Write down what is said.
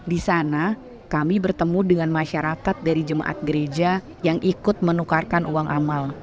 di sana kami bertemu dengan masyarakat dari jemaat gereja yang ikut menukarkan uang amal